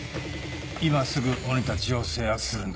今すぐ鬼たちを制圧するんだ。